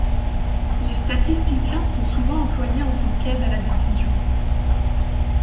Les statisticiens sont souvent employés en tant qu'aide à la décision.